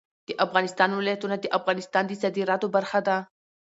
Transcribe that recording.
د افغانستان ولايتونه د افغانستان د صادراتو برخه ده.